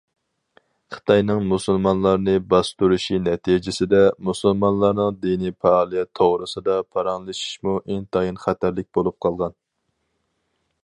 خىتاينىڭ مۇسۇلمانلارنى باستۇرۇشى نەتىجىسىدە، مۇسۇلمانلارنىڭ دىنىي پائالىيەت توغرىسىدا پاراڭلىشىشىمۇ ئىنتايىن خەتەرلىك بولۇپ قالغان.